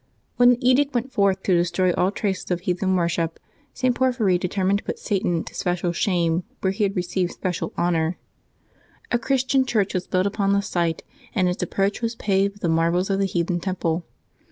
Wlien the edict went forth to destroy all traces of heathen worship, St. Porphyry determined to put Satan to special shame where he had received special honor. A Christian church was built upon the site, and its approach was paved with the marbles of the heathen temple.